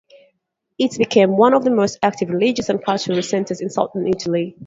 It became one of the most active religious and cultural centres in Southern Italy.